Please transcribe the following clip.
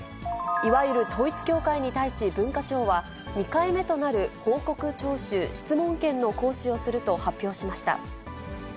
いわゆる統一教会に対し、文化庁は、２回目となる報告徴収・質問権の行使をすると発表しました。